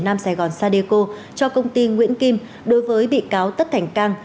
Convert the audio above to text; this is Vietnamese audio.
nam sài gòn sadeco cho công ty nguyễn kim đối với bị cáo tất thành cang